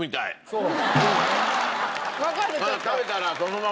そう。